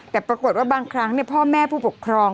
แต่ปรากฏว่าบางครั้งพ่อแม่ผู้ปกครอง